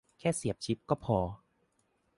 แค่เสียบชิปก็พอ